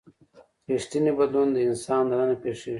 ریښتینی بدلون د انسان دننه پیښیږي.